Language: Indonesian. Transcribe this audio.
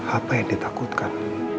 apa yang ditakutkan